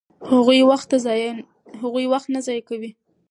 هغوی وخت نه ضایع کوي.